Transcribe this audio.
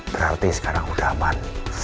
berarti sekarang udah aman